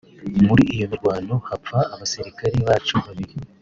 muri iyo mirwano hapfa abasirikare bacu babiri